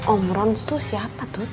om rons tuh siapa tuh